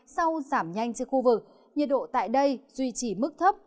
sảm nhanh trên khu vực nhiệt độ tại đây duy trì mức thấp